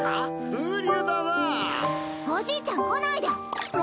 風流だおじいちゃん来ないで！